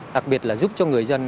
đặc biệt là giúp cho người dân